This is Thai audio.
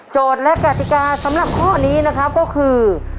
และกติกาสำหรับข้อนี้นะครับก็คือ